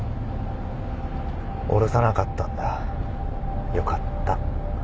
おろさなかったんだよかった。